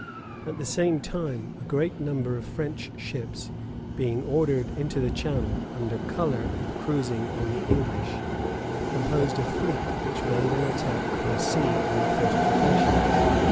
At the same time, a great number of French ships, being ordered into the Channel, under color of cruising on the English, composed a fleet which made an attack by sea on the fortifications.